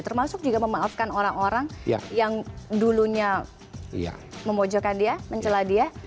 termasuk juga memaafkan orang orang yang dulunya memojokkan dia mencela dia